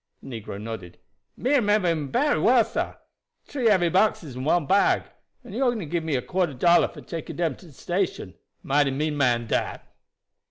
The negro nodded. "Me remember him bery well, sah. Tree heavy boxes and one bag, and he only give me quarter dollar for taking dem to de station. Mighty mean man dat."